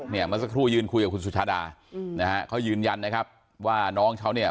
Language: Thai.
เมื่อสักครู่ยืนคุยกับคุณสุชาดาอืมนะฮะเขายืนยันนะครับว่าน้องเขาเนี่ย